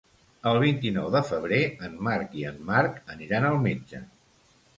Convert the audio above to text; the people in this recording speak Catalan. El vint-i-nou de febrer en Marc i en Marc aniran al metge.